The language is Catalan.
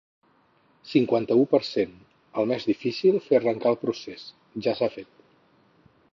Cinquanta-u per cent El més difícil, fer arrencar el procés, ja s’ha fet.